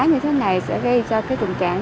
như thế này sẽ gây cho trường trạng